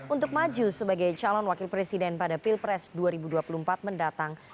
untuk maju sebagai calon wakil presiden pada pilpres dua ribu dua puluh empat mendatang